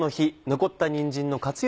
残ったにんじんの活用